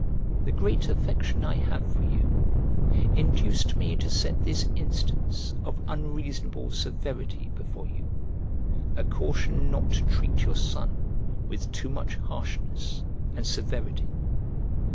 " The great affection I have for you induced me to set this instance of unreasonable severity before you a caution not to treat your son with too much harshness and severity.